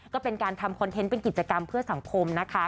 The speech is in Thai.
ก็เป็นการทำคอนเทนต์เป็นกิจกรรมเพื่อสังคมนะคะ